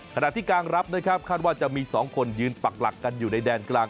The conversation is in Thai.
ขณะที่กลางรับนะครับคาดว่าจะมี๒คนยืนปักหลักกันอยู่ในแดนกลาง